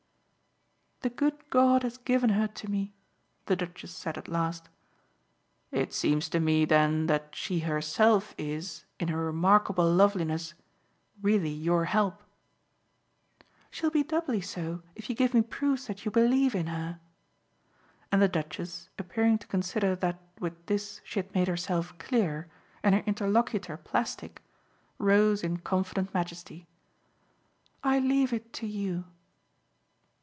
"The good God has given her to me," the Duchess said at last. "It seems to me then that she herself is, in her remarkable loveliness, really your help." "She'll be doubly so if you give me proofs that you believe in her." And the Duchess, appearing to consider that with this she had made herself clear and her interlocutor plastic, rose in confident majesty. "I leave it to you."